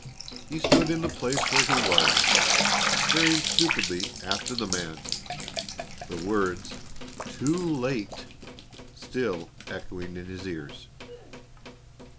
He stood still in the place where he was, staring stupidly after the man, the words "too late" still echoing in his ears.